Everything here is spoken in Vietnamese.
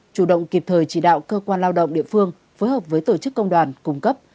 chủ động kịp thời chỉ đạo cơ quan lao động địa phương phối hợp với tổ chức công đoàn cung cấp